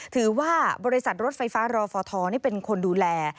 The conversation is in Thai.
ถือว่าบริษัทรถไฟฟ้ารอฟทนี่เป็นคนดูแล